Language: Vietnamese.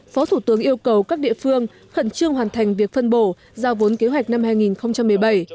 phó thủ tướng yêu cầu các địa phương khẩn trương hoàn thành việc phân bổ giao vốn kế hoạch năm hai nghìn một mươi bảy